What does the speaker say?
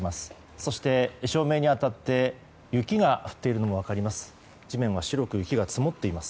そして、照明に当たって雪が降っているのが分かります。